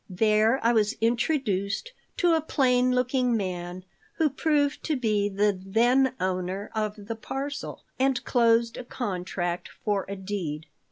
There I was introduced to a plain looking man who proved to be the then owner of the parcel, and closed a contract for a deed.